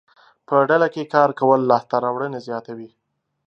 په ډله کې کار کول لاسته راوړنې زیاتوي.